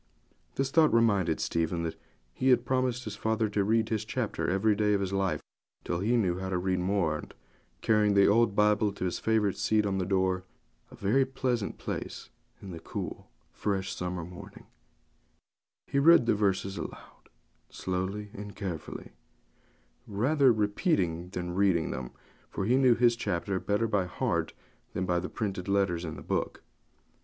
This thought reminded Stephen that he had promised his father to read his chapter every day of his life till he knew how to read more; and, carrying the old Bible to his favourite seat on the door sill, a very pleasant place in the cool, fresh summer morning, he read the verses aloud, slowly and carefully, rather repeating than reading them, for he knew his chapter better by heart than by the printed letters in the book.